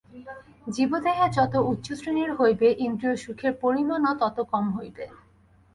জীবদেহ যত উচ্চশ্রেণীর হইবে, ইন্দ্রিয়সুখের পরিমাণও তত কম হইবে।